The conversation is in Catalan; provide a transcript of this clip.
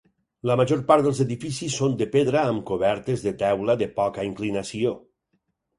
La major part dels edificis són de pedra amb cobertes de teula de poca inclinació.